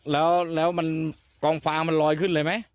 อ๋อแล้วแล้วกล้องฟางมันลอยขึ้นเลยไหม